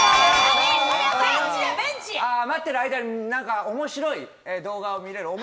待ってる間に面白い動画を見れる。